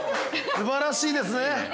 ◆熊らしいですね。